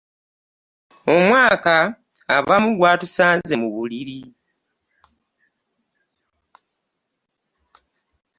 Omwaka abamu gwatusanze mu buliri.